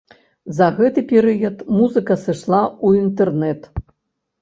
За гэты перыяд музыка сышла ў інтэрнэт.